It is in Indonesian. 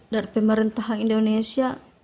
dari pemerintah indonesia